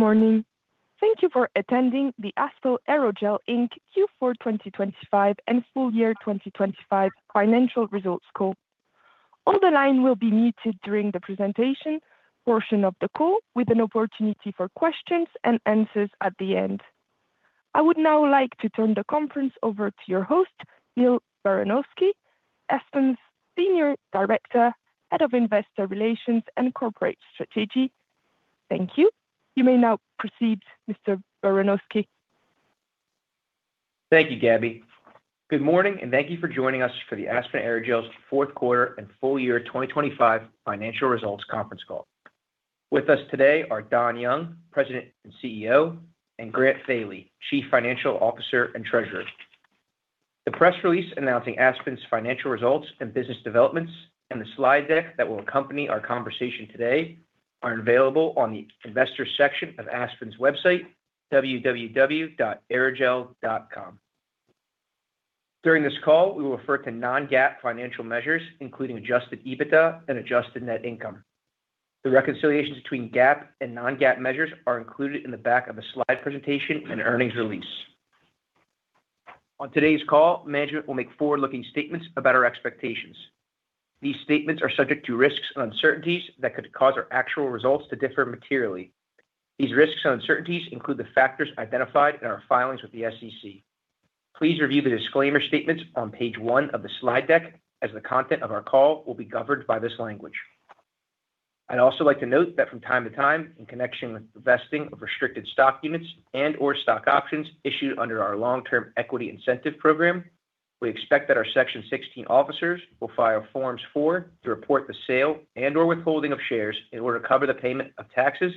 Good morning. Thank you for attending the Aspen Aerogels, Inc. Q4 2025 and full year 2025 financial results call. All the line will be muted during the presentation portion of the call, with an opportunity for questions and answers at the end. I would now like to turn the conference over to your host, Neal Baranosky, Aspen's Senior Director, Head of Investor Relations and Corporate Strategy. Thank you. You may now proceed, Mr. Baranosky. Thank you, Gabby. Good morning, and thank you for joining us for the Aspen Aerogels fourth quarter and full year 2025 financial results conference call. With us today are Donald Young, President and CEO, and Grant Thoele, Chief Financial Officer and Treasurer. The press release announcing Aspen's financial results and business developments, and the slide deck that will accompany our conversation today are available on the investor section of Aspen's website, www.aerogel.com. During this call, we will refer to non-GAAP financial measures, including adjusted EBITDA and adjusted net income. The reconciliations between GAAP and non-GAAP measures are included in the back of the slide presentation and earnings release. On today's call, management will make forward-looking statements about our expectations. These statements are subject to risks and uncertainties that could cause our actual results to differ materially. These risks and uncertainties include the factors identified in our filings with the SEC. Please review the disclaimer statements on page one of the slide deck, as the content of our call will be governed by this language. I'd also like to note that from time to time, in connection with the vesting of restricted stock units and/or stock options issued under our long-term equity incentive program, we expect that our Section 16 officers will file Form 4 to report the sale and/or withholding of shares in order to cover the payment of taxes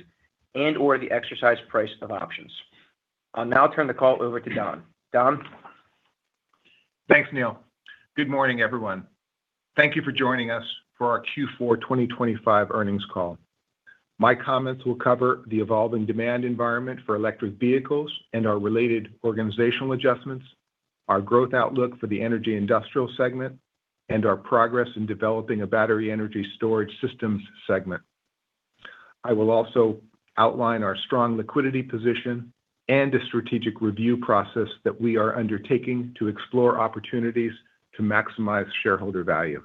and/or the exercise price of options. I'll now turn the call over to Don. Don? Thanks, Neal. Good morning, everyone. Thank you for joining us for our Q4 2025 earnings call. My comments will cover the evolving demand environment for electric vehicles and our related organizational adjustments, our growth outlook for the energy industrial segment, and our progress in developing a battery energy storage systems segment. I will also outline our strong liquidity position and a strategic review process that we are undertaking to explore opportunities to maximize shareholder value.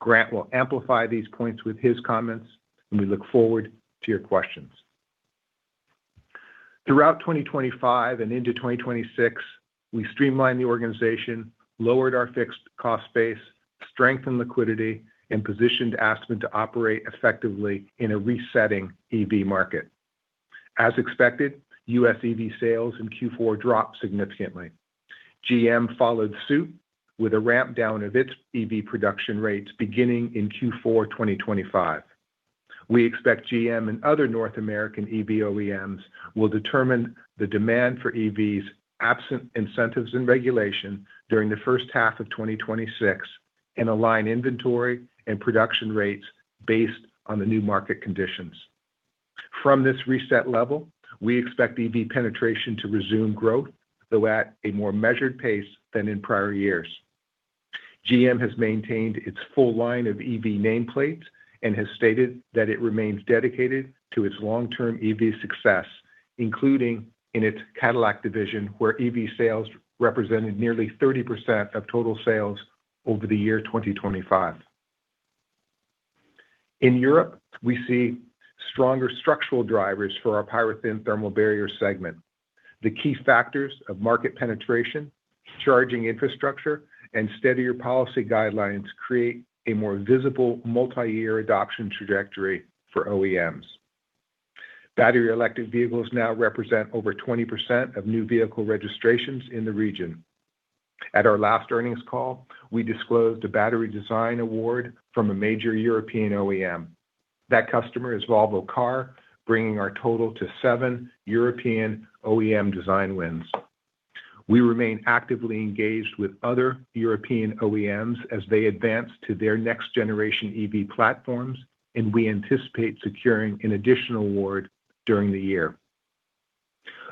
Grant will amplify these points with his comments. We look forward to your questions. Throughout 2025 and into 2026, we streamlined the organization, lowered our fixed cost base, strengthened liquidity, and positioned Aspen to operate effectively in a resetting EV market. As expected, U.S. EV sales in Q4 dropped significantly. GM followed suit with a ramp down of its EV production rates beginning in Q4 2025. We expect GM and other North American EV OEMs will determine the demand for EVs, absent incentives and regulation, during the first half of 2026 and align inventory and production rates based on the new market conditions. From this reset level, we expect EV penetration to resume growth, though at a more measured pace than in prior years. GM has maintained its full line of EV nameplates and has stated that it remains dedicated to its long-term EV success, including in its Cadillac division, where EV sales represented nearly 30% of total sales over the year 2025. In Europe, we see stronger structural drivers for our PyroThin Thermal Barrier segment. The key factors of market penetration, charging infrastructure, and steadier policy guidelines create a more visible multi-year adoption trajectory for OEMs. Battery electric vehicles now represent over 20% of new vehicle registrations in the region. At our last earnings call, we disclosed a battery design award from a major European OEM. That customer is Volvo Car, bringing our total to seven European OEM design wins. We remain actively engaged with other European OEMs as they advance to their next generation EV platforms, and we anticipate securing an additional award during the year.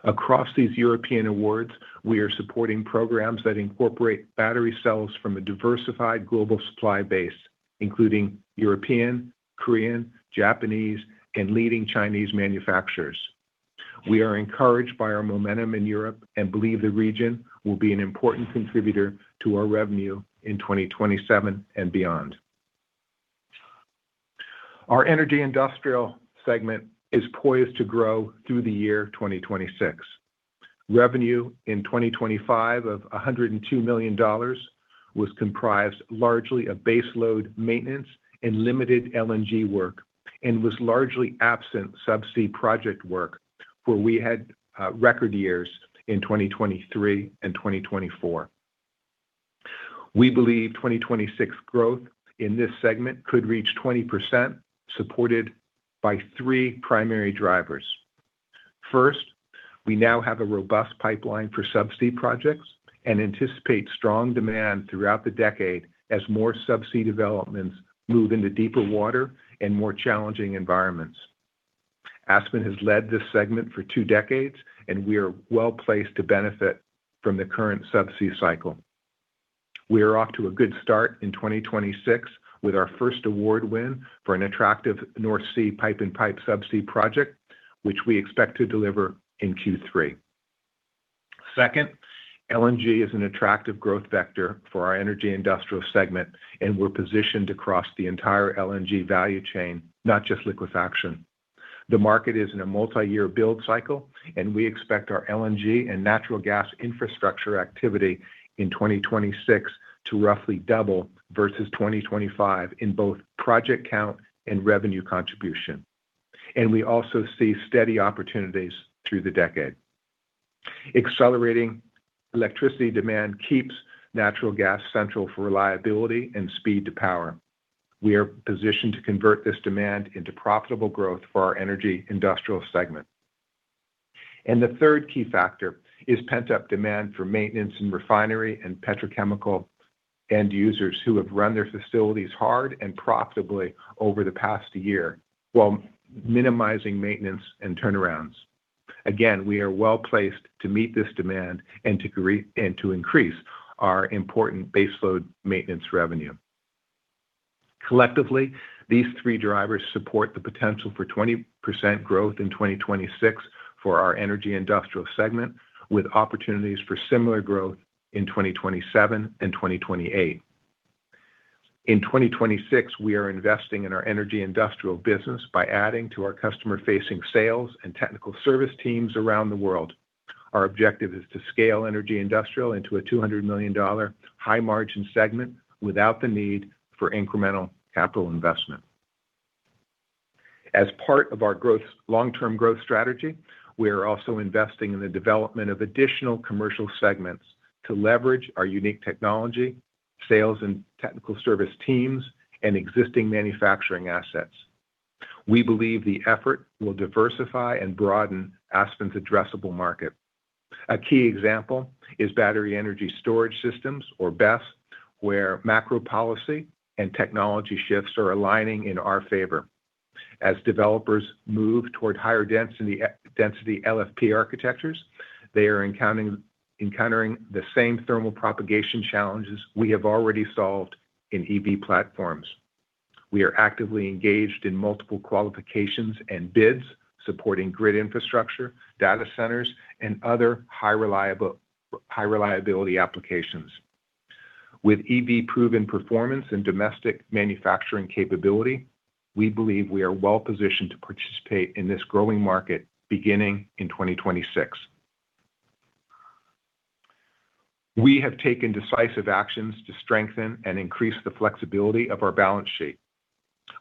Across these European awards, we are supporting programs that incorporate battery cells from a diversified global supply base, including European, Korean, Japanese, and leading Chinese manufacturers. We are encouraged by our momentum in Europe and believe the region will be an important contributor to our revenue in 2027 and beyond. Our energy industrial segment is poised to grow through the year 2026. Revenue in 2025 of $102 million was comprised largely of baseload maintenance and limited LNG work, and was largely absent subsea project work, where we had record years in 2023 and 2024. We believe 2026 growth in this segment could reach 20%, supported by three primary drivers. First, we now have a robust pipeline for subsea projects and anticipate strong demand throughout the decade as more subsea developments move into deeper water and more challenging environments. Aspen has led this segment for two decades, and we are well-placed to benefit from the current subsea cycle. We are off to a good start in 2026 with our first award win for an attractive North Sea Pipe-in-Pipe subsea project, which we expect to deliver in Q3. Second, LNG is an attractive growth vector for our energy industrial segment, we're positioned across the entire LNG value chain, not just liquefaction. The market is in a multi-year build cycle, we expect our LNG and natural gas infrastructure activity in 2026 to roughly double versus 2025 in both project count and revenue contribution. We also see steady opportunities through the decade. Accelerating electricity demand keeps natural gas central for reliability and speed to power. We are positioned to convert this demand into profitable growth for our energy industrial segment. The third key factor is pent-up demand for maintenance and refinery and petrochemical end users who have run their facilities hard and profitably over the past year, while minimizing maintenance and turnarounds. Again, we are well-placed to meet this demand and to increase our important baseload maintenance revenue. Collectively, these three drivers support the potential for 20% growth in 2026 for our energy industrial segment, with opportunities for similar growth in 2027 and 2028. In 2026, we are investing in our energy industrial business by adding to our customer-facing sales and technical service teams around the world. Our objective is to scale energy industrial into a $200 million high-margin segment without the need for incremental capital investment. As part of our long-term growth strategy, we are also investing in the development of additional commercial segments to leverage our unique technology, sales, and technical service teams, and existing manufacturing assets. We believe the effort will diversify and broaden Aspen's addressable market. A key example is battery energy storage systems, or BESS, where macro policy and technology shifts are aligning in our favor. As developers move toward higher density LFP architectures, they are encountering the same thermal propagation challenges we have already solved in EV platforms. We are actively engaged in multiple qualifications and bids, supporting grid infrastructure, data centers, and other high reliability applications. With EV-proven performance and domestic manufacturing capability, we believe we are well-positioned to participate in this growing market beginning in 2026. We have taken decisive actions to strengthen and increase the flexibility of our balance sheet.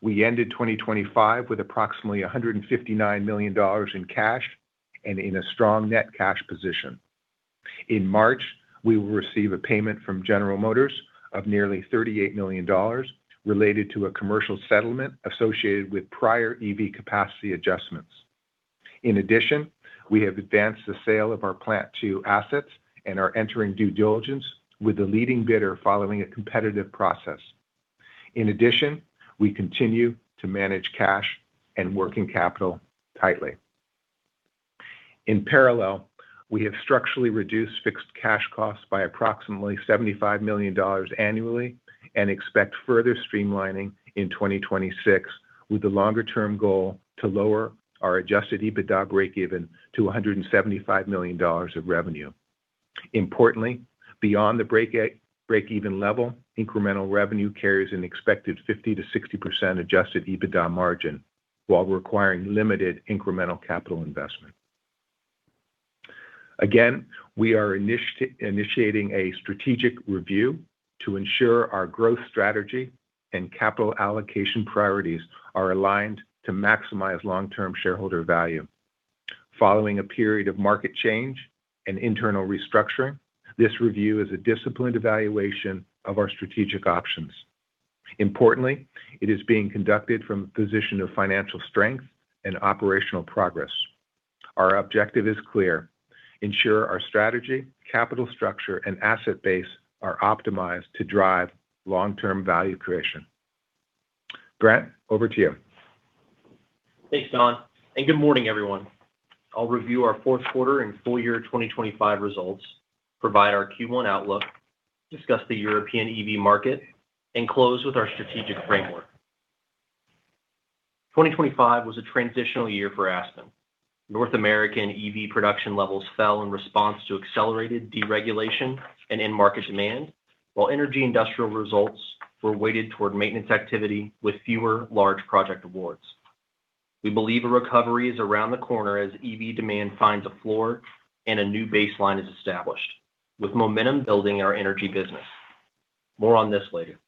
We ended 2025 with approximately $159 million in cash and in a strong net cash position. In March, we will receive a payment from General Motors of nearly $38 million related to a commercial settlement associated with prior EV capacity adjustments. We have advanced the sale of our Plant Two assets and are entering due diligence with the leading bidder following a competitive process. We continue to manage cash and working capital tightly. We have structurally reduced fixed cash costs by approximately $75 million annually and expect further streamlining in 2026, with the longer-term goal to lower our adjusted EBITDA breakeven to $175 million of revenue. Importantly, beyond the breakeven level, incremental revenue carries an expected 50%-60% adjusted EBITDA margin, while requiring limited incremental capital investment. We are initiating a strategic review to ensure our growth strategy and capital allocation priorities are aligned to maximize long-term shareholder value. Following a period of market change and internal restructuring, this review is a disciplined evaluation of our strategic options. Importantly, it is being conducted from a position of financial strength and operational progress. Our objective is clear: ensure our strategy, capital structure, and asset base are optimized to drive long-term value creation. Grant, over to you. Thanks, Don. Good morning, everyone. I'll review our fourth quarter and full year 2025 results, provide our Q1 outlook, discuss the European EV market, and close with our strategic framework. 2025 was a transitional year for Aspen. North American EV production levels fell in response to accelerated deregulation and end market demand, while energy industrial results were weighted toward maintenance activity with fewer large project awards. We believe a recovery is around the corner as EV demand finds a floor and a new baseline is established, with momentum building our energy business. More on this later.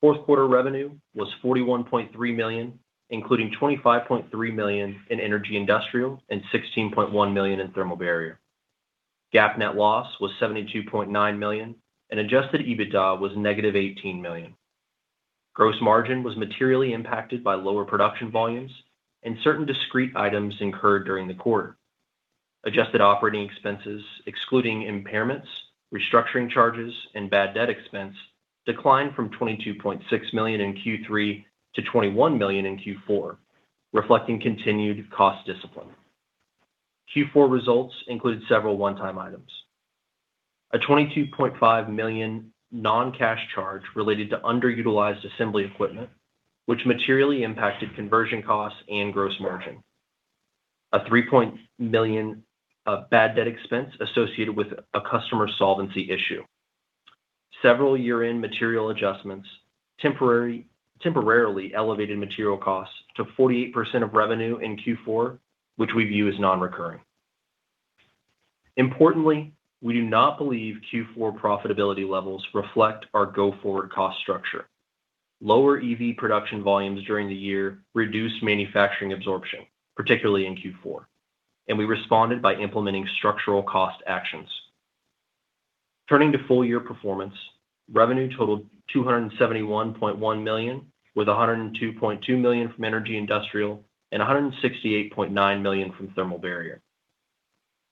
Fourth quarter revenue was $41.3 million, including $25.3 million in energy industrial and $16.1 million in thermal barrier. GAAP net loss was $72.9 million. Adjusted EBITDA was negative $18 million. Gross margin was materially impacted by lower production volumes and certain discrete items incurred during the quarter. adjusted operating expenses, excluding impairments, restructuring charges, and bad debt expense, declined from $22.6 million in Q3 to $21 million in Q4, reflecting continued cost discipline. Q4 results include several one-time items. A $22.5 million non-cash charge related to underutilized assembly equipment, which materially impacted conversion costs and gross margin. A $3 million bad debt expense associated with a customer solvency issue. Several year-end material adjustments, temporarily elevated material costs to 48% of revenue in Q4, which we view as non-recurring. Importantly, we do not believe Q4 profitability levels reflect our go-forward cost structure. Lower EV production volumes during the year reduced manufacturing absorption, particularly in Q4, and we responded by implementing structural cost actions. Turning to full year performance, revenue totaled $271.1 million, with $102.2 million from energy industrial and $168.9 million from thermal barrier.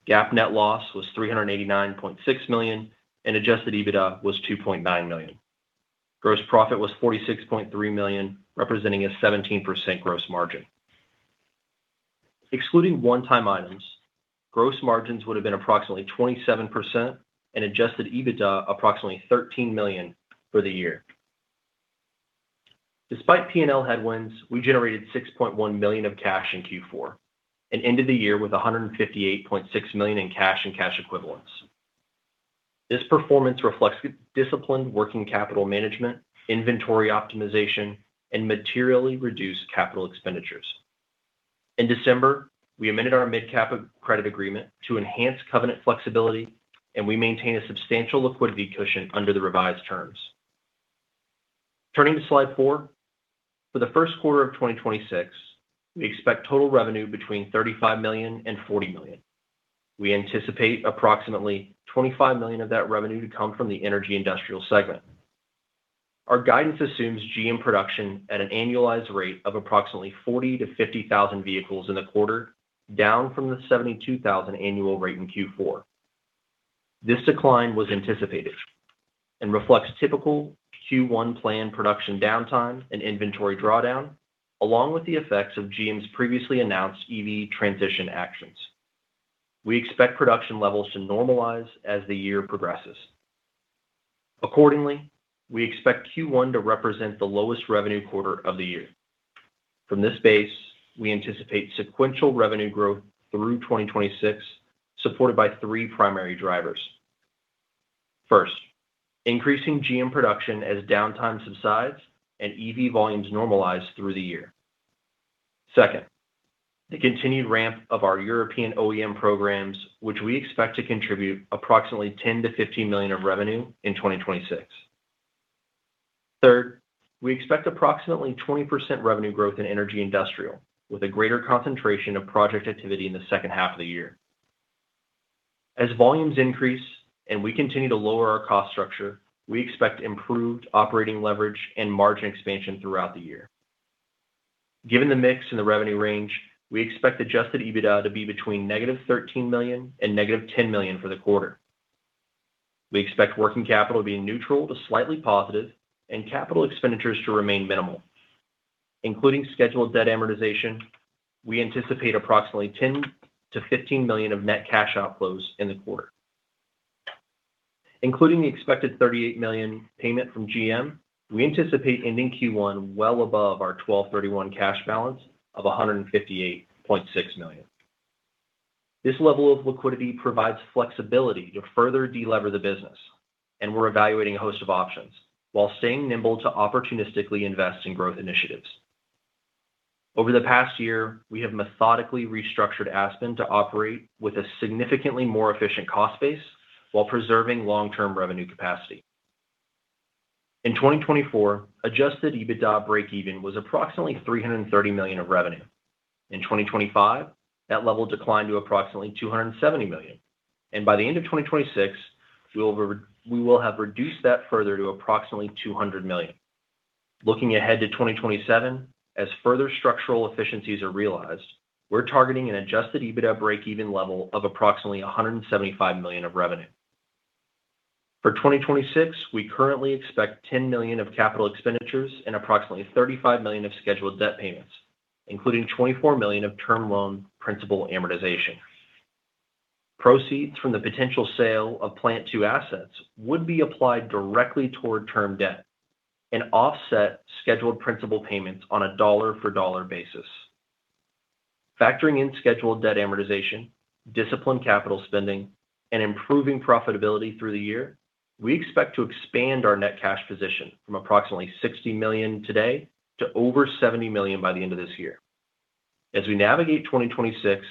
GAAP net loss was $389.6 million, adjusted EBITDA was $2.9 million. Gross profit was $46.3 million, representing a 17% gross margin. Excluding one-time items, gross margins would have been approximately 27% and adjusted EBITDA, approximately $13 million for the year. Despite P&L headwinds, we generated $6.1 million of cash in Q4 and ended the year with $158.6 million in cash and cash equivalents. This performance reflects disciplined working capital management, inventory optimization, and materially reduced capital expenditures. In December, we amended our MidCap Credit Agreement to enhance covenant flexibility. We maintain a substantial liquidity cushion under the revised terms. Turning to slide four. For the 1st quarter of 2026, we expect total revenue between $35 million and $40 million. We anticipate approximately $25 million of that revenue to come from the energy industrial segment. Our guidance assumes GM production at an annualized rate of approximately 40,000-50,000 vehicles in the quarter, down from the 72,000 annual rate in Q4. This decline was anticipated and reflects typical Q1 planned production downtime and inventory drawdown, along with the effects of GM's previously announced EV transition actions. We expect production levels to normalize as the year progresses. We expect Q1 to represent the lowest revenue quarter of the year. From this base, we anticipate sequential revenue growth through 2026, supported by three primary drivers. First, increasing GM production as downtime subsides and EV volumes normalize through the year. Second, the continued ramp of our European OEM programs, which we expect to contribute approximately $10 million-$15 million of revenue in 2026. Third, we expect approximately 20% revenue growth in energy industrial, with a greater concentration of project activity in the second half of the year. As volumes increase and we continue to lower our cost structure, we expect improved operating leverage and margin expansion throughout the year. Given the mix and the revenue range, we expect adjusted EBITDA to be between negative $13 million and negative $10 million for the quarter. We expect working capital to be neutral to slightly positive and capital expenditures to remain minimal. Including scheduled debt amortization, we anticipate approximately $10 million-$15 million of net cash outflows in the quarter. Including the expected $38 million payment from GM, we anticipate ending Q1 well above our 12/31 cash balance of $158.6 million. This level of liquidity provides flexibility to further delever the business, and we're evaluating a host of options while staying nimble to opportunistically invest in growth initiatives. Over the past year, we have methodically restructured Aspen to operate with a significantly more efficient cost base while preserving long-term revenue capacity. In 2024, adjusted EBITDA breakeven was approximately $330 million of revenue. In 2025, that level declined to approximately $270 million, and by the end of 2026, we will have reduced that further to approximately $200 million. Looking ahead to 2027, as further structural efficiencies are realized, we're targeting an adjusted EBITDA breakeven level of approximately $175 million of revenue. For 2026, we currently expect $10 million of CapEx and approximately $35 million of scheduled debt payments, including $24 million of term loan principal amortization. Proceeds from the potential sale of Plant Two assets would be applied directly toward term debt and offset scheduled principal payments on a dollar-for-dollar basis. Factoring in scheduled debt amortization, disciplined capital spending, and improving profitability through the year, we expect to expand our net cash position from approximately $60 million today to over $70 million by the end of this year. As we navigate 2026,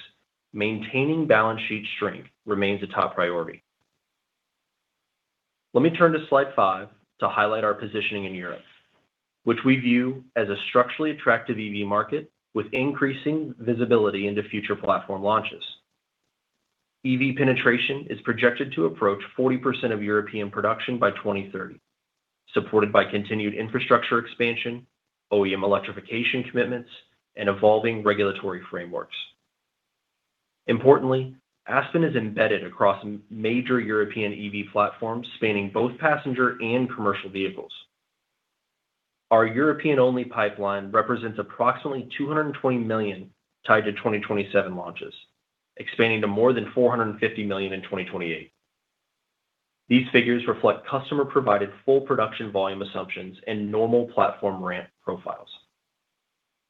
maintaining balance sheet strength remains a top priority. Let me turn to slide five to highlight our positioning in Europe, which we view as a structurally attractive EV market with increasing visibility into future platform launches. EV penetration is projected to approach 40% of European production by 2030, supported by continued infrastructure expansion, OEM electrification commitments, and evolving regulatory frameworks. Importantly, Aspen is embedded across major European EV platforms, spanning both passenger and commercial vehicles. Our European-only pipeline represents approximately $220 million tied to 2027 launches, expanding to more than $450 million in 2028. These figures reflect customer-provided full production volume assumptions and normal platform ramp profiles.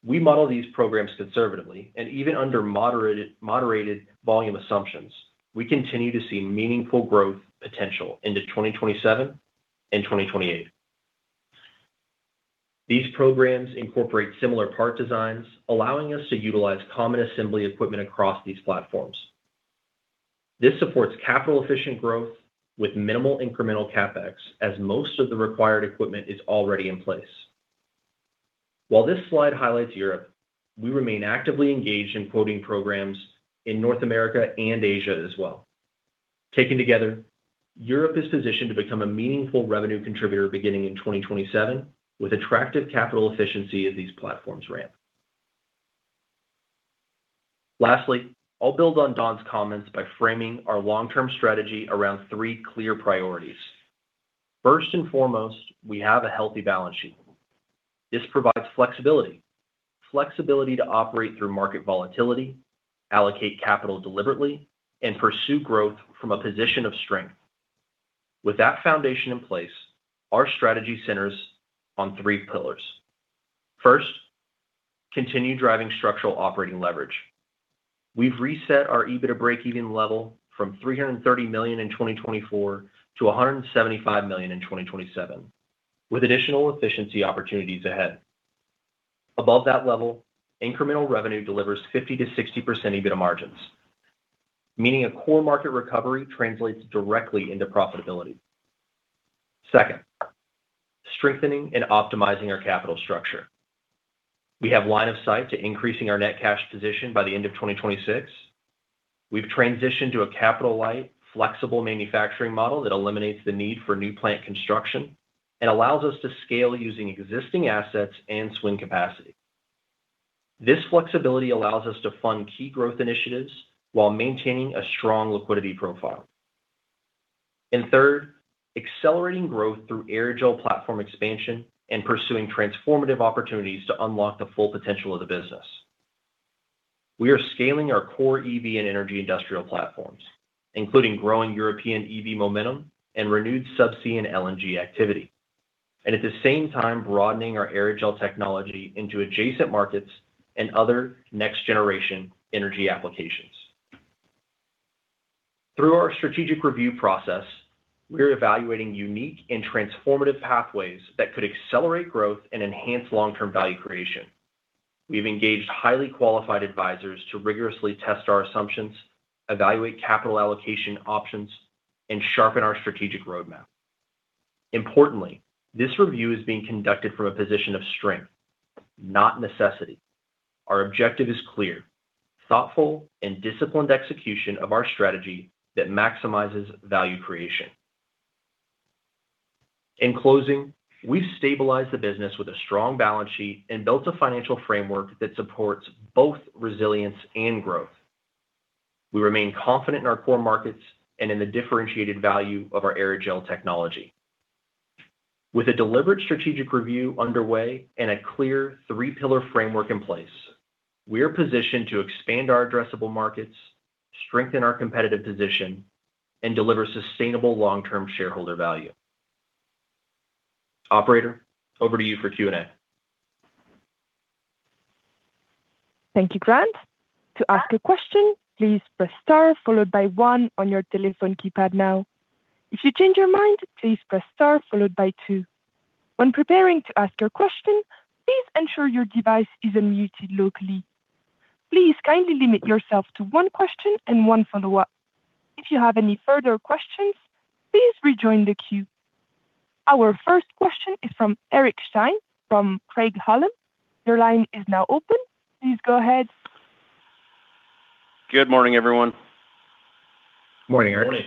We model these programs conservatively, even under moderated volume assumptions, we continue to see meaningful growth potential into 2027 and 2028. These programs incorporate similar part designs, allowing us to utilize common assembly equipment across these platforms. This supports capital-efficient growth with minimal incremental CapEx, as most of the required equipment is already in place. While this slide highlights Europe, we remain actively engaged in quoting programs in North America and Asia as well. Taken together, Europe is positioned to become a meaningful revenue contributor beginning in 2027, with attractive capital efficiency as these platforms ramp. Lastly, I'll build on Don's comments by framing our long-term strategy around three clear priorities. First and foremost, we have a healthy balance sheet. This provides flexibility. Flexibility to operate through market volatility, allocate capital deliberately, and pursue growth from a position of strength. With that foundation in place, our strategy centers on three pillars. First, continue driving structural operating leverage. We've reset our EBITDA breakeven level from $330 million in 2024 to $175 million in 2027, with additional efficiency opportunities ahead. Above that level, incremental revenue delivers 50%-60% EBITDA margins, meaning a core market recovery translates directly into profitability. Second, strengthening and optimizing our capital structure. We have line of sight to increasing our net cash position by the end of 2026. We've transitioned to a capital-light, flexible manufacturing model that eliminates the need for new plant construction and allows us to scale using existing assets and swing capacity. This flexibility allows us to fund key growth initiatives while maintaining a strong liquidity profile. Third, accelerating growth through aerogel platform expansion and pursuing transformative opportunities to unlock the full potential of the business. We are scaling our core EV and energy industrial platforms, including growing European EV momentum and renewed subsea and LNG activity, and at the same time broadening our aerogel technology into adjacent markets and other next-generation energy applications. Through our strategic review process, we are evaluating unique and transformative pathways that could accelerate growth and enhance long-term value creation. We've engaged highly qualified advisors to rigorously test our assumptions, evaluate capital allocation options, and sharpen our strategic roadmap. Importantly, this review is being conducted from a position of strength, not necessity. Our objective is clear: thoughtful and disciplined execution of our strategy that maximizes value creation. In closing, we've stabilized the business with a strong balance sheet and built a financial framework that supports both resilience and growth. We remain confident in our core markets and in the differentiated value of our aerogel technology. With a deliberate strategic review underway and a clear three-pillar framework in place, we are positioned to expand our addressable markets, strengthen our competitive position, and deliver sustainable long-term shareholder value. Operator, over to you for Q&A. Thank you, Grant. To ask a question, please press star followed by one on your telephone keypad now. If you change your mind, please press star followed by two. When preparing to ask your question, please ensure your device is unmuted locally. Please kindly limit yourself to one question and one follow-up. If you have any further questions, please rejoin the queue. Our first question is from Eric Stine, from Craig-Hallum. Your line is now open. Please go ahead. Good morning, everyone. Morning, Eric.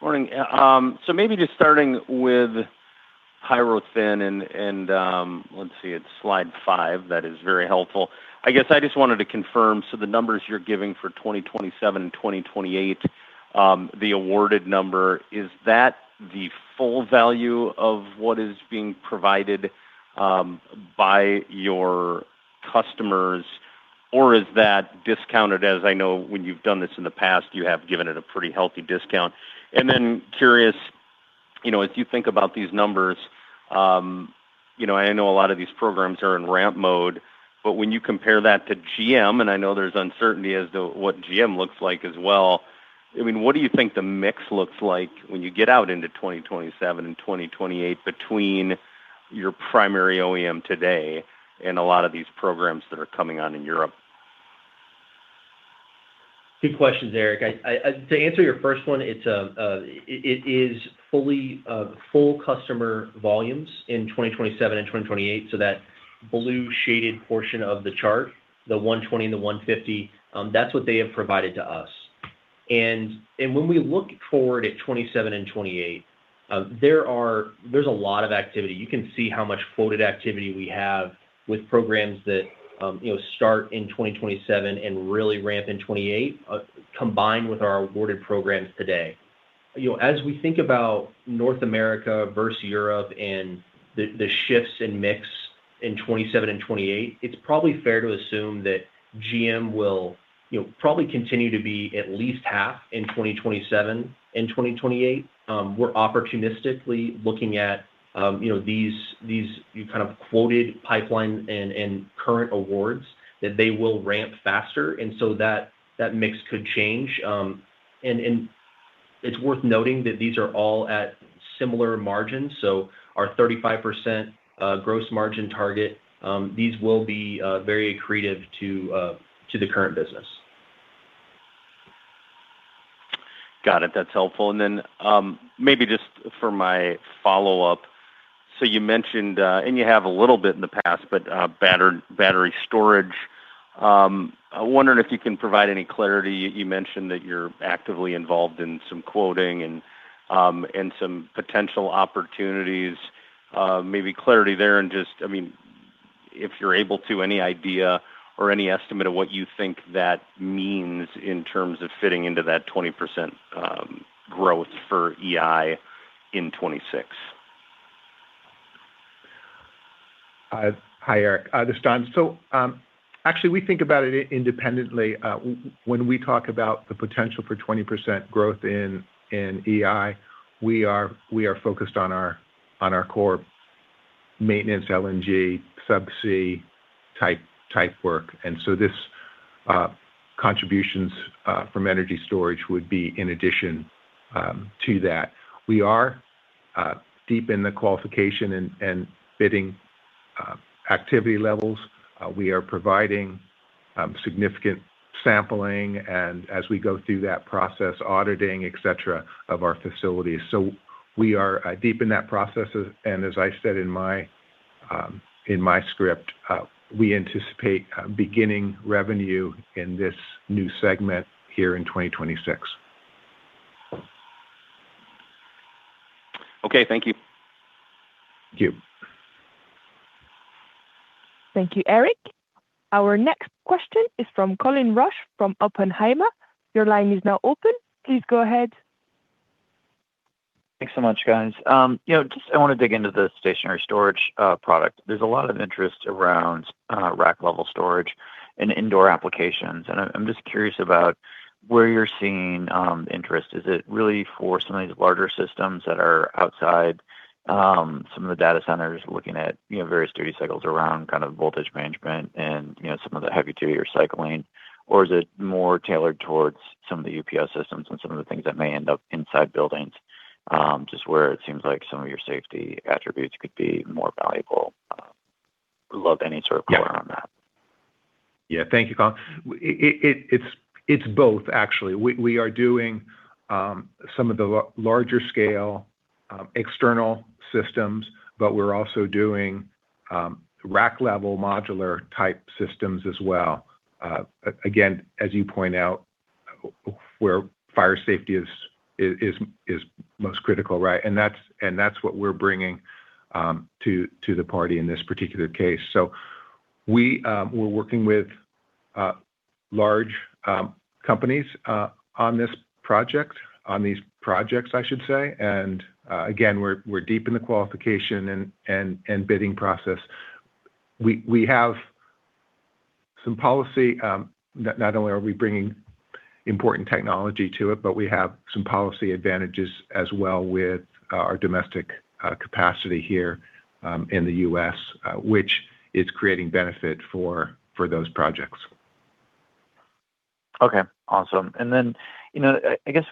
Morning. Maybe just starting with PyroThin and let's see, it's slide five. That is very helpful. I guess I just wanted to confirm, the numbers you're giving for 2027 and 2028, the awarded number, is that the full value of what is being provided by your customers, or is that discounted? I know, when you've done this in the past, you have given it a pretty healthy discount. Curious, you know, as you think about these numbers, you know, I know a lot of these programs are in ramp mode, but when you compare that to GM, and I know there's uncertainty as to what GM looks like as well, I mean, what do you think the mix looks like when you get out into 2027 and 2028 between your primary OEM today and a lot of these programs that are coming on in Europe? Good questions, Eric. I, to answer your first one, it is fully full customer volumes in 2027 and 2028. That blue shaded portion of the chart, the 120 and the 150, that's what they have provided to us. When we look forward at 27 and 28, there's a lot of activity. You can see how much quoted activity we have with programs that, you know, start in 2027 and really ramp in 28, combined with our awarded programs today. You know, as we think about North America versus Europe and the shifts in mix in 2027 and 2028, it's probably fair to assume that GM will, you know, probably continue to be at least half in 2027 and 2028. We're opportunistically looking at, you know, these, you kind of quoted pipeline and current awards, that they will ramp faster, and so that mix could change. It's worth noting that these are all at similar margins. Our 35% gross margin target, these will be very accretive to the current business. Got it. That's helpful. Maybe just for my follow-up: you mentioned, and you have a little bit in the past, but battery storage. I'm wondering if you can provide any clarity. You mentioned that you're actively involved in some quoting and some potential opportunities, maybe clarity there. I mean, if you're able to, any idea or any estimate of what you think that means in terms of fitting into that 20% growth for EV in 2026? Hi, Eric. This is Don. Actually, we think about it independently. When we talk about the potential for 20% growth in EI, we are focused on our core maintenance, LNG, subsea type work. This contributions from energy storage would be in addition to that. We are deep in the qualification and bidding activity levels. We are providing significant sampling, and as we go through that process, auditing, et cetera, of our facilities. We are deep in that process. As I said in my script, we anticipate beginning revenue in this new segment here in 2026. Okay, thank you. Thank you. Thank you, Eric. Our next question is from Colin Rusch from Oppenheimer. Your line is now open. Please go ahead. Thanks so much, guys. you know, just I want to dig into the stationary storage product. There's a lot of interest around rack-level storage and indoor applications, and I'm just curious about where you're seeing interest. Is it really for some of these larger systems that are outside, some of the data centers looking at, you know, various duty cycles around kind of voltage management and, you know, some of the heavy-duty recycling? Or is it more tailored towards some of the UPS systems and some of the things that may end up inside buildings, just where it seems like some of your safety attributes could be more valuable? Would love any sort of color on that. Yeah. Thank you, Colin. It's both, actually. We are doing some of the larger scale external systems, but we're also doing rack-level modular-type systems as well. Again, as you point out, where fire safety is most critical, right? That's what we're bringing to the party in this particular case. We're working with large companies on this project, on these projects, I should say. Again, we're deep in the qualification and bidding process. We have some policy. Not only are we bringing important technology to it, but we have some policy advantages as well with our domestic capacity here in the U.S., which is creating benefit for those projects. Okay, awesome. Then, you know, I guess,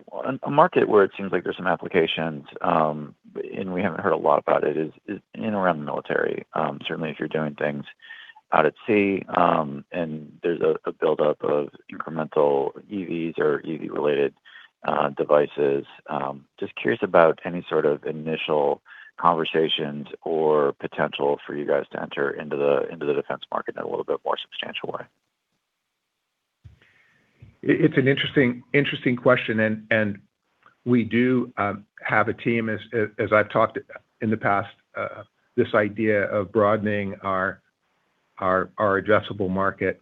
a market where it seems like there's some applications, but and we haven't heard a lot about it is in around the military. Certainly, if you're doing things out at sea, and there's a buildup of incremental EVs or EV-related devices. Just curious about any sort of initial conversations or potential for you guys to enter into the defense market in a little bit more substantial way? It's an interesting question. We do have a team, as I've talked in the past, this idea of broadening our addressable market,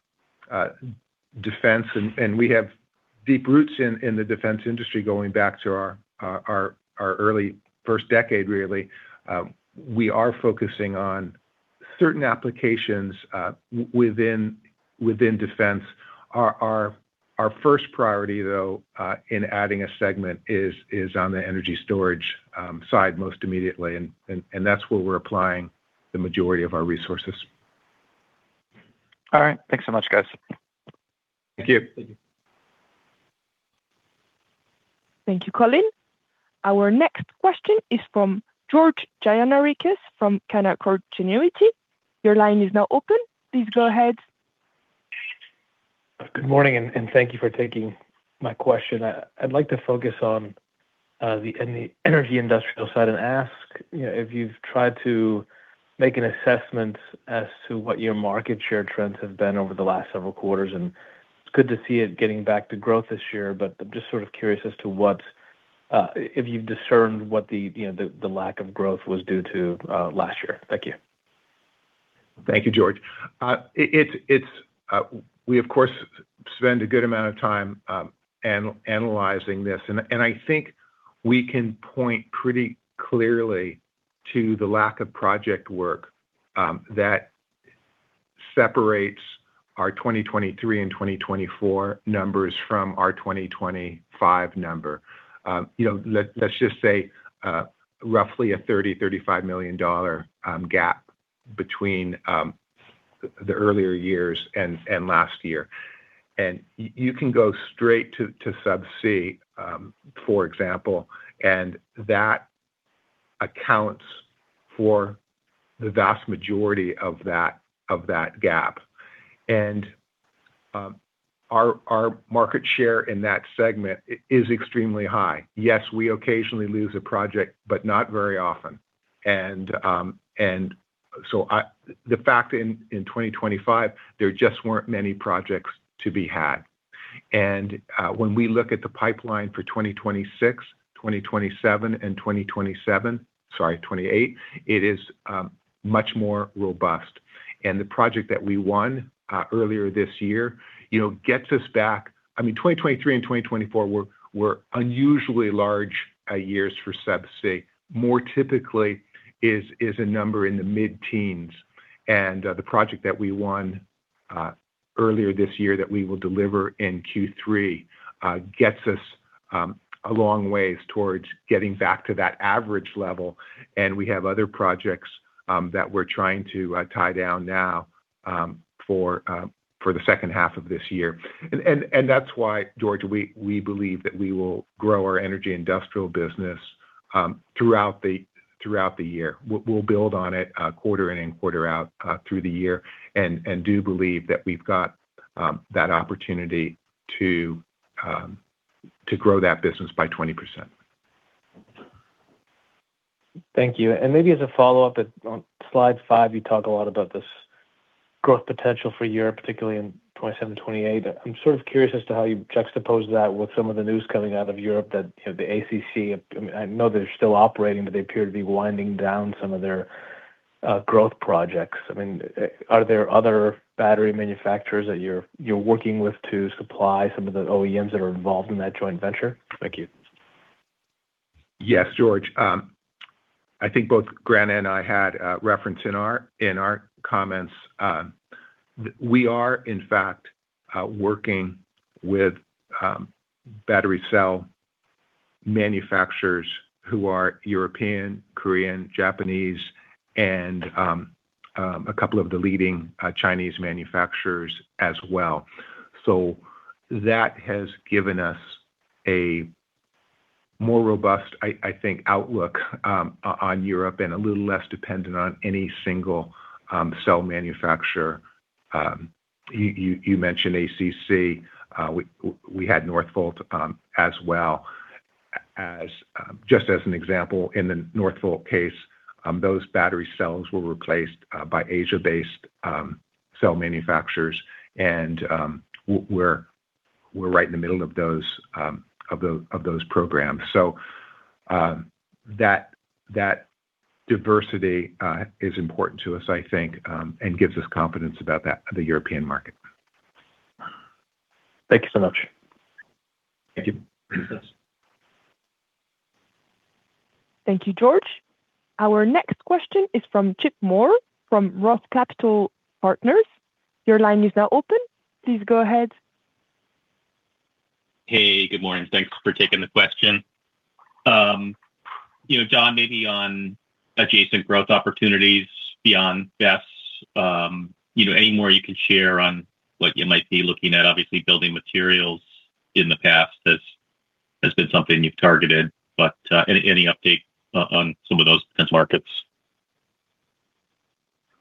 defense, and we have deep roots in the defense industry going back to our early first decade, really. We are focusing on certain applications within defense. Our first priority, though, in adding a segment is on the energy storage side, most immediately, and that's where we're applying the majority of our resources. All right. Thanks so much, guys. Thank you. Thank you, Colin. Our next question is from George Gianarikas from Canaccord Genuity. Your line is now open. Please go ahead. Good morning, and thank you for taking my question. I'd like to focus on the energy industrial side and ask, you know, if you've tried to make an assessment as to what your market share trends have been over the last several quarters. It's good to see it getting back to growth this year, but I'm just sort of curious as to what if you've discerned what the, you know, the lack of growth was due to last year. Thank you. Thank you, George. We, of course, spend a good amount of time analyzing this. We can point pretty clearly to the lack of project work that separates our 2023 and 2024 numbers from our 2025 number. You know, let's just say roughly a $30 million-$35 million gap between the earlier years and last year. You can go straight to subsea, for example, and that accounts for the vast majority of that gap. Our market share in that segment is extremely high. Yes, we occasionally lose a project, but not very often. The fact in 2025, there just weren't many projects to be had. When we look at the pipeline for 2026, 2027, and 2027, sorry, 2028, it is much more robust. The project that we won earlier this year, you know, gets us back. I mean, 2023 and 2024 were unusually large years for subsea. More typically is a number in the mid-teens, and the project that we won earlier this year that we will deliver in Q3 gets us a long ways towards getting back to that average level, and we have other projects that we're trying to tie down now for the second half of this year. That's why, George, we believe that we will grow our energy industrial business throughout the year. We'll build on it, quarter in and quarter out, through the year, and do believe that we've got that opportunity to grow that business by 20%. Thank you. Maybe as a follow-up, on slide five, you talk a lot about this growth potential for Europe, particularly in 2027, 2028. I'm sort of curious as to how you juxtapose that with some of the news coming out of Europe, that, you know, the ACC, I know they're still operating, but they appear to be winding down some of their growth projects. I mean, are there other battery manufacturers that you're working with to supply some of the OEMs that are involved in that joint venture? Thank you. Yes, George. I think both Grant and I had referenced in our, in our comments, we are, in fact, working with battery cell manufacturers who are European, Korean, Japanese, and a couple of the leading Chinese manufacturers as well. That has given us a more robust, I think, outlook on Europe and a little less dependent on any single cell manufacturer. You mentioned ACC. We had Northvolt as well. As just as an example, in the Northvolt case, those battery cells were replaced by Asia-based cell manufacturers, and we're right in the middle of those of those programs. That diversity is important to us, I think, and gives us confidence about the European market. Thank you so much. Thank you. Thank you, George. Our next question is from Chip Moore, from Roth Capital Partners. Your line is now open. Please go ahead. Hey, good morning. Thanks for taking the question. You know, Don, maybe on adjacent growth opportunities beyond BESS, you know, any more you can share on what you might be looking at? Obviously, building materials in the past has been something you've targeted, but any update on some of those markets?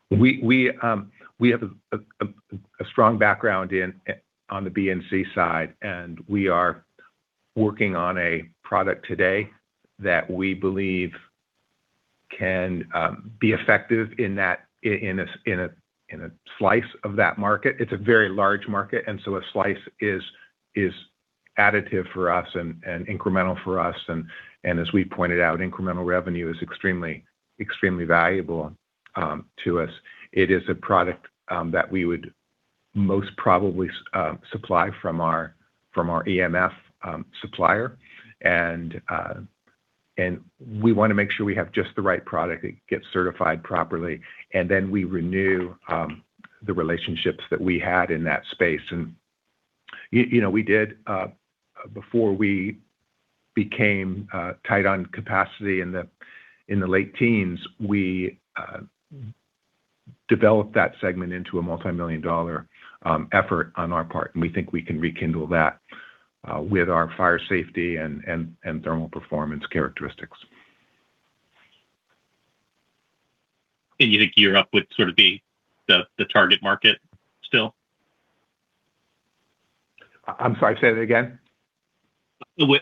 We have a strong background on the BNC side, and we are working on a product today that we believe can be effective in a slice of that market. It's a very large market, and so a slice is additive for us and incremental for us. As we pointed out, incremental revenue is extremely valuable to us. It is a product that we would most probably supply from our EMF supplier, and we wanna make sure we have just the right product that gets certified properly, and then we renew the relationships that we had in that space. You know, we did, before we became tight on capacity in the late teens, we developed that segment into a multimillion-dollar effort on our part. We think we can rekindle that with our fire safety and thermal performance characteristics. You think Europe would sort of be the target market still? I'm sorry, say that again?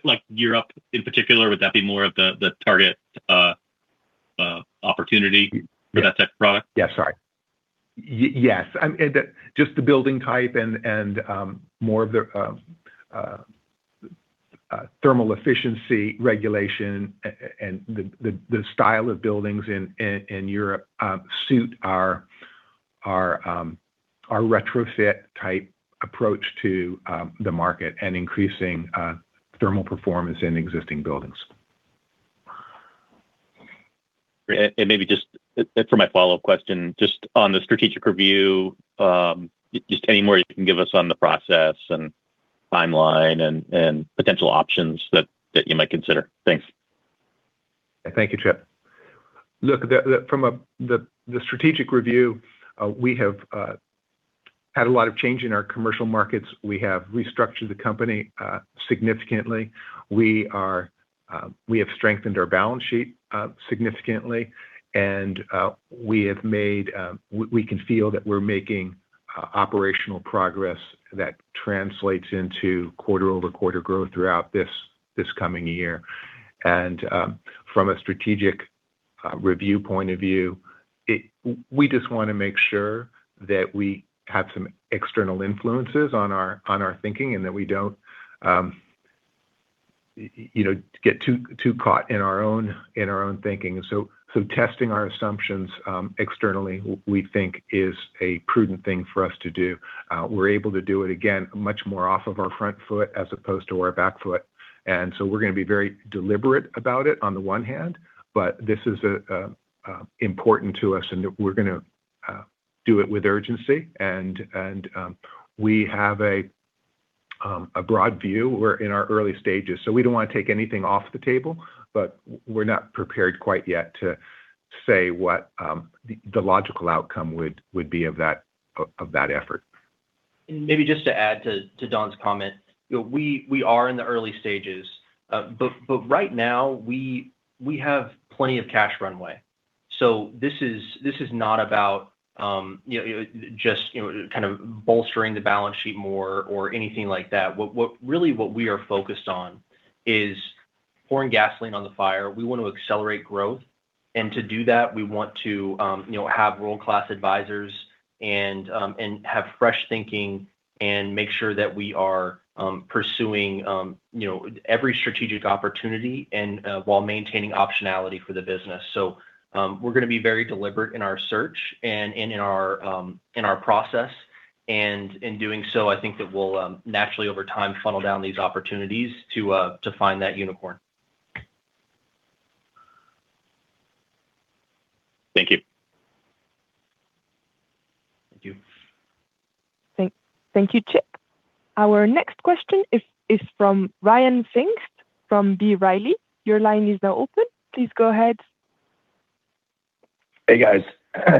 like Europe, in particular, would that be more of the target opportunity for that type of product? Yeah, sorry. Yes, and just the building type and more of the thermal efficiency regulation and the style of buildings in Europe suit our our retrofit type approach to the market and increasing thermal performance in existing buildings. Maybe just, for my follow-up question, just on the strategic review, just any more you can give us on the process and timeline and potential options that you might consider? Thanks. Thank you, Chip. Look, from a, the strategic review, we have had a lot of change in our commercial markets. We have restructured the company significantly. We have strengthened our balance sheet significantly. We have made, we can feel that we're making operational progress that translates into quarter-over-quarter growth throughout this coming year. From a strategic review point of view, we just wanna make sure that we have some external influences on our thinking, and that we don't, you know, get too caught in our own thinking. Testing our assumptions externally, we think is a prudent thing for us to do. We're able to do it again, much more off of our front foot as opposed to our back foot. We're gonna be very deliberate about it on the one hand, but this is important to us, and we're gonna do it with urgency. We have a broad view. We're in our early stages, so we don't wanna take anything off the table, but we're not prepared quite yet to say what the logical outcome would be of that effort. Maybe just to add to Don's comment. We are in the early stages, but right now, we have plenty of cash runway. This is not about, you know, just, you know, kind of bolstering the balance sheet more or anything like that. Really, what we are focused on is pouring gasoline on the fire. We want to accelerate growth, and to do that, we want to, you know, have world-class advisors and have fresh thinking and make sure that we are pursuing, you know, every strategic opportunity and while maintaining optionality for the business. We're gonna be very deliberate in our search and in our process. In doing so, I think that we'll, naturally, over time, funnel down these opportunities to find that unicorn. Thank you. Thank you. Thank you, Chip. Our next question is from Ryan Pfingst, from B. Riley. Your line is now open. Please go ahead. Hey, guys.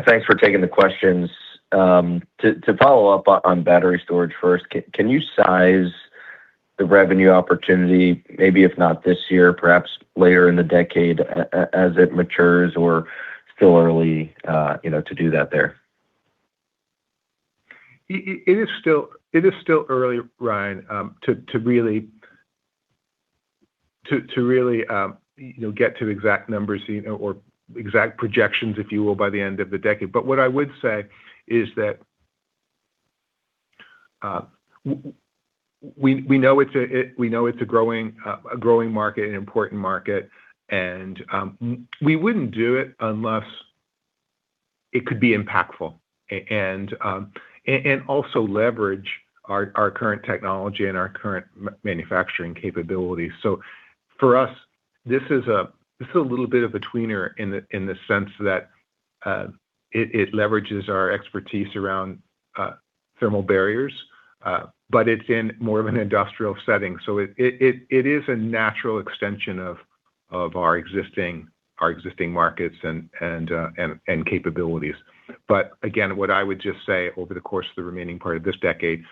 Thanks for taking the questions. To follow up on battery storage first, can you size the revenue opportunity, maybe if not this year, perhaps later in the decade, as it matures or still early, you know, to do that there? It is still early, Ryan, to really, to really, you know, get to the exact numbers, you know, or exact projections, if you will, by the end of the decade. But what I would say is that, we know it's a, we know it's a growing, a growing market, an important market, and, we wouldn't do it unless it could be impactful and also leverage our current technology and our current manufacturing capabilities. So for us, this is a, this is a little bit of a tweener in the sense that, it leverages our expertise around thermal barriers, but it's in more of an industrial setting. It is a natural extension of our existing markets and capabilities. Again, what I would just say over the course of the remaining part of this decade,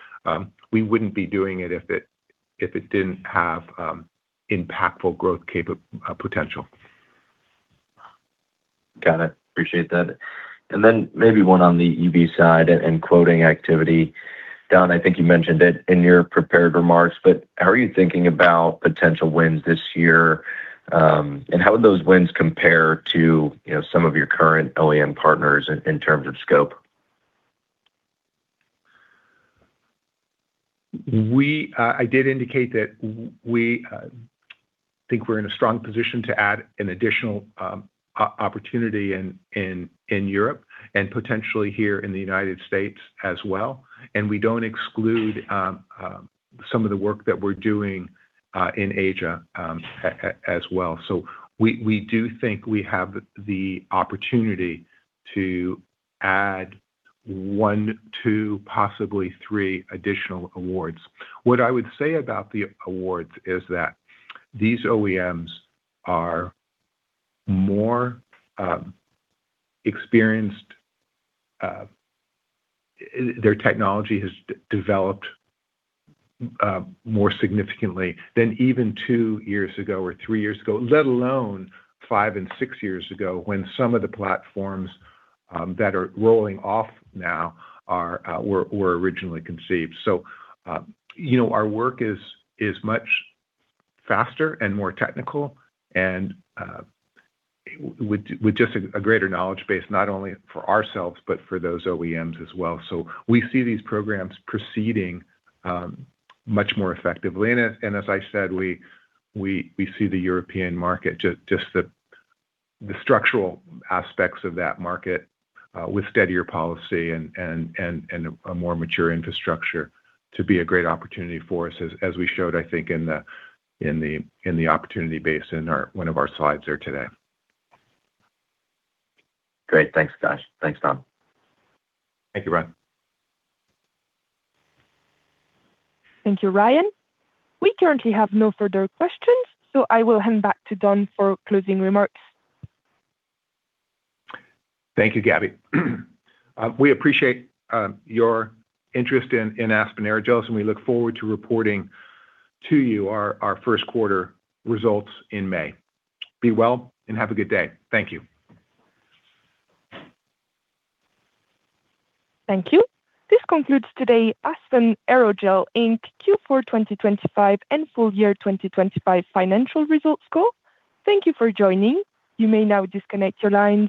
we wouldn't be doing it if it didn't have impactful growth potential. Got it. Appreciate that. Then maybe one on the EV side and quoting activity. Don, I think you mentioned it in your prepared remarks, but how are you thinking about potential wins this year? How would those wins compare to, you know, some of your current OEM partners in terms of scope? We I did indicate that we think we're in a strong position to add an additional opportunity in Europe and potentially here in the United States as well, and we don't exclude some of the work that we're doing in Asia as well. So we do think we have the opportunity to add one, two, possibly three additional awards. What I would say about the awards is that these OEMs are more experienced, their technology has developed more significantly than even two years ago or three years ago, let alone five and six years ago, when some of the platforms that are rolling off now are were originally conceived. You know, our work is much faster and more technical, and with just a greater knowledge base, not only for ourselves, but for those OEMs as well. We see these programs proceeding much more effectively. As I said, we see the European market, just the structural aspects of that market, with steadier policy and a more mature infrastructure to be a great opportunity for us as we showed, I think, in the opportunity base in one of our slides here today. Great. Thanks, guys. Thanks, Don. Thank you, Ryan. Thank you, Ryan. We currently have no further questions, so I will hand back to Don for closing remarks. Thank you, Gabby. We appreciate your interest in Aspen Aerogels. We look forward to reporting to you our first quarter results in May. Be well and have a good day. Thank you. Thank you. This concludes today Aspen Aerogels Inc. Q4 2025 and full year 2025 financial results call. Thank you for joining. You may now disconnect your lines.